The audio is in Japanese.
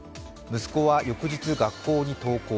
息子は翌日、学校に登校。